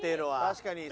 確かに。